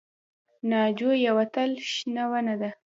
ناجو یوه تل شنه ونه ده